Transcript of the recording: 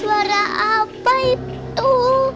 suara apa itu